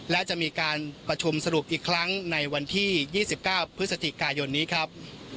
และจะมีการประชุมสรุปอีกครั้งในวันที่๒๙พฤศจิกายนนี้ครับ